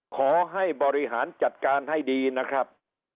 ขอให้บริหารจัดการให้ดีนะครับ